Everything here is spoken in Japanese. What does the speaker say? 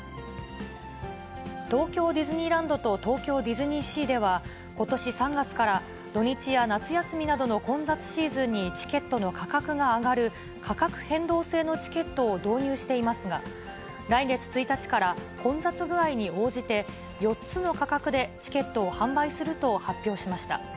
東京ディズニーランドと東京ディズニーシーでは、ことし３月から、土日や夏休みなどの混雑シーズンにチケットの価格が上がる価格変動制のチケットを導入していますが、来月１日から混雑具合に応じて、４つの価格でチケットを販売すると発表しました。